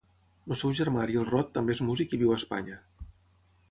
El seu germà Ariel Rot també és músic i viu a Espanya.